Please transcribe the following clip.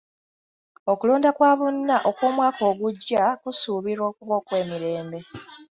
Okulonda kwa bonna okw'omwaka ogujja kusuubirwa okuba okw'emirembe.